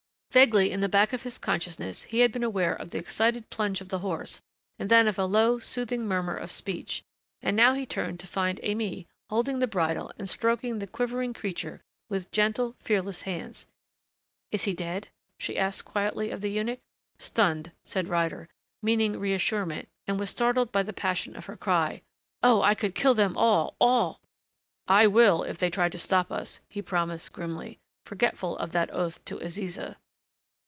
Vaguely in the back of his consciousness he had been aware of the excited plunge of the horse and then of a low, soothing murmur of speech, and now he turned to find Aimée holding the bridle and stroking the quivering creature with gentle, fearless hands. "Is he dead?" she asked quietly of the eunuch. "Stunned," said Ryder, meaning reassurement and was startled by the passion of her cry, "Oh, I could kill them all all!" "I will if they try to stop us," he promised grimly, forgetful of that oath to Aziza.